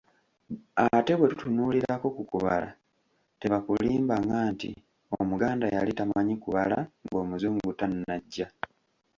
Ate bwe tutunuulirako ku kubala, tebakulimbanga nti Omuganda yali tamanyi kubala ng’Omuzungu tannajja!